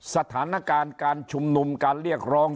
สถานการณ์การชุมนุมการเรียกร้อง